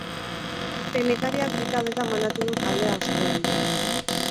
Teknikariak bi taldetan banatu du taldea asteon.